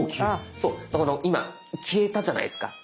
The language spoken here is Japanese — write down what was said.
そう今消えたじゃないですか。